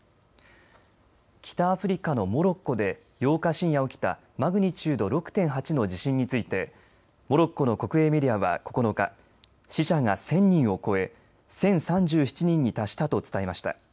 北アフリカのモロッコで８日深夜起きたマグニチュード６．８の地震についてモロッコの国営メディアは９日、死者が１０００人を超え１０３７人に達したと伝えました。